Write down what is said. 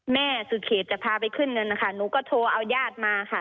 แม่สุเขตจะพาไปเคลื่อนเงินค่ะหนูก็โทรเอาย่ามาค่ะ